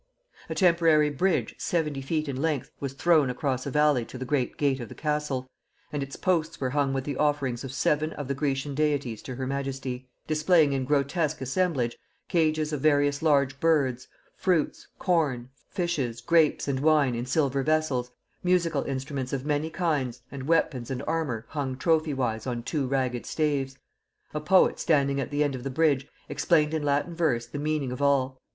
A temporary bridge 70 feet in length was thrown across a valley to the great gate of the castle, and its posts were hung with the offerings of seven of the Grecian deities to her majesty; displaying in grotesque assemblage, cages of various large birds, fruits, corn, fishes, grapes, and wine in silver vessels, musical instruments of many kinds and weapons and armour hung trophy wise on two ragged staves. A poet standing at the end of the bridge explained in Latin verse the meaning of all.